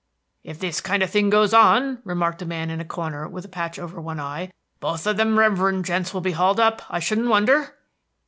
"If this kind of thing goes on," remarked a man in the corner with a patch over one eye, "both of them reverend gents will be hauled up, I shouldn't wonder."